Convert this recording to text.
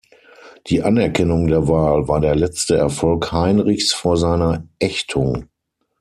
Die Anerkennung der Wahl war der letzte Erfolg Heinrichs vor seiner Ächtung.